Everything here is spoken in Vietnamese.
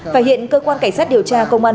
và hiện cơ quan cảnh sát điều tra công an